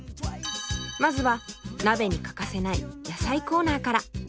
まずは鍋に欠かせない野菜コーナーから！